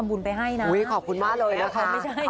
วิ้ี่ขอบคุณมากเลยนะค่ะ